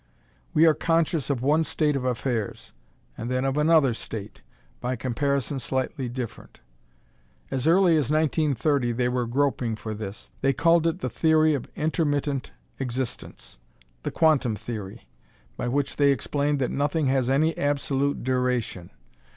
We are conscious of one state of affairs and then of another state, by comparison slightly different. As early as 1930, they were groping for this. They called it the Theory of Intermittent Existence the Quantum Theory by which they explained that nothing has any Absolute Duration.